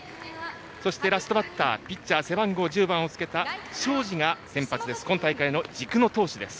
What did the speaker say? そしてラストバッターピッチャー背番号１０番をつけた庄司が先発です。